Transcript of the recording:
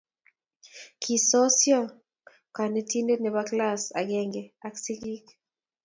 Kisosio konentinte nebo klass akenge ak sikiik.